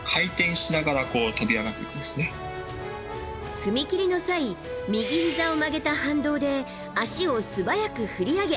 踏み切りの際右ひざを曲げた反動で足を素早く振り上げ